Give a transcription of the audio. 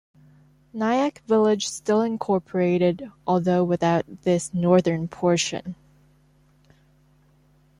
Nyack village still incorporated, although without this northern portion.